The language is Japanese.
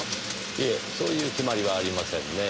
いえそういう決まりはありませんねぇ。